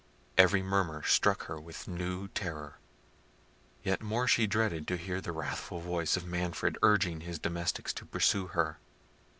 Every murmur struck her with new terror; yet more she dreaded to hear the wrathful voice of Manfred urging his domestics to pursue her.